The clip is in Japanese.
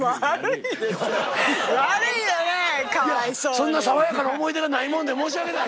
そんな爽やかな思い出がないもんで申し訳ない！